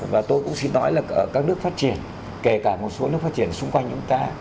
và tôi cũng xin nói là ở các nước phát triển kể cả một số nước phát triển xung quanh chúng ta